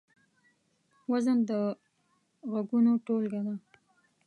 وزن د غږونو ټولګه ده.